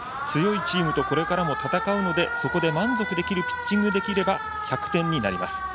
強いチームと、これからも戦うのでそこで満足するピッチングができれば１００点になります。